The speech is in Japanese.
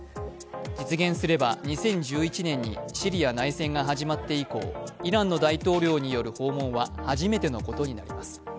実現すれば２０１１年にシリア内戦が始まって以降、イランの大統領による訪問は初めてのことになります。